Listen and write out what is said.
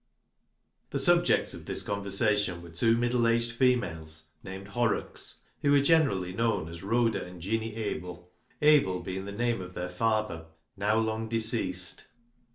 The subjects of this conversation were two middle aged females named Horrocks, who v/ere generally known as " Rhoda an' Jinny Abil" — Abel being the name of their father, now long deceased.